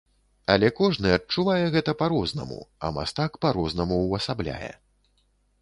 Але кожны адчувае гэта па-рознаму, а мастак па-рознаму ўвасабляе.